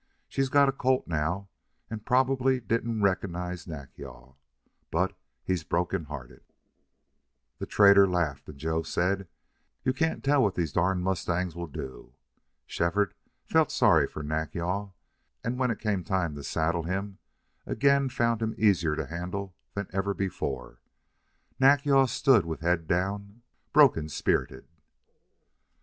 She's got a colt now and probably didn't recognize Nack yal. But he's broken hearted." The trader laughed, and Joe said, "You can't tell what these durn mustangs will do." Shefford felt sorry for Nack yal, and when it came time to saddle him again found him easier to handle than ever before. Nack yal stood with head down, broken spirited.